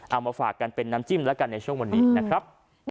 เอามาฝากกันเป็นน้ำจิ้มแล้วกันในช่วงวันนี้นะครับ